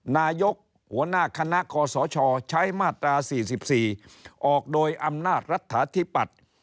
นายกหัวหน้าคณะคอสชใช้มาตรา๔๔ออกโดยอำนาจรัฐฐาธิปัตย์